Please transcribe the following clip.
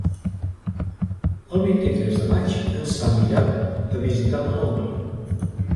El vint-i-tres de maig en Sam irà a visitar mon oncle.